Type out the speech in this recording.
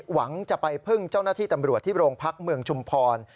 หวังจะไปพึ่งเจ้าหน้าที่ตำรวจที่โรงพักเมืองชุมพร